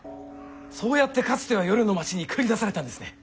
そうやってかつては夜の町に繰り出されたんですね！